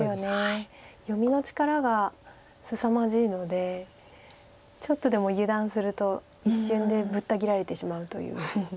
読みの力がすさまじいのでちょっとでも油断すると一瞬でぶった切られてしまうという。